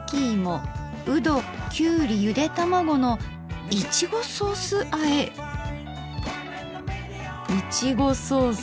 うどきゅうりゆで玉子のいちごソースあえ⁉いちごソース